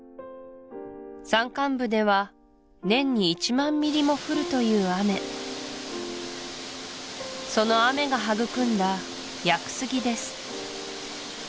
山間部では年に１万ミリも降るという雨その雨が育んだ屋久杉です